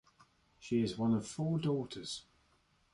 She is one of four daughters.